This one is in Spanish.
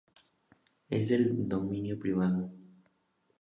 Es del dominio privado.